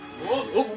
おっ！